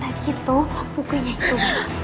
tadi tuh bukunya itu